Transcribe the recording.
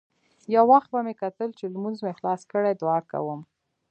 يو وخت به مې کتل چې لمونځ مې خلاص کړى دعا کوم.